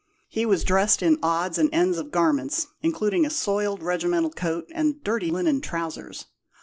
He was dressed in odds and ends of garments, including a soiled regimental coat and dirty linen trousers."